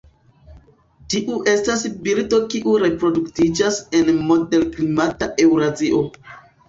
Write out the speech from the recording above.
Tiu estas birdo kiu reproduktiĝas en moderklimata Eŭrazio.